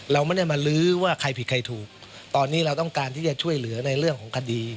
เราไม่ได้มาลื้อว่าใครผิดใครถูกตอนนี้เราต้องการที่จะช่วยเหลือในเรื่องของคดี